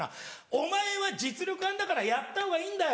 「お前は実力あるんだからやったほうがいいんだよ！